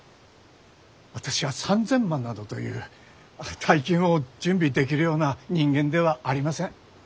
私は３，０００万などという大金を準備できるような人間ではありません。